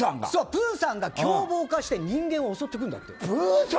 プーさんが凶暴化して人間を襲って来るんだって。